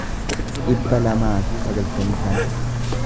dhibba lamaa fi sagaltamii shan